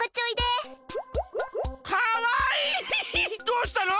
どうしたの？